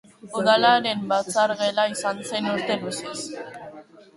Udalaren batzar gela izan zen urte luzez.